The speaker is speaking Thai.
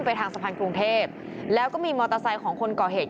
ทางสะพานกรุงเทพแล้วก็มีมอเตอร์ไซค์ของคนก่อเหตุ